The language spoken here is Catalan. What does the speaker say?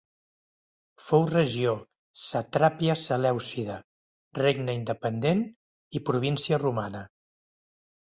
Fou regió, satrapia selèucida, regne independent i província romana.